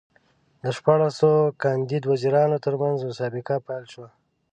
د شپاړسو کاندید وزیرانو ترمنځ مسابقه پیل شوه.